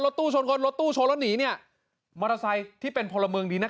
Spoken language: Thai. ตู้ชนคนรถตู้ชนแล้วหนีเนี่ยมอเตอร์ไซค์ที่เป็นพลเมืองดีนะคะ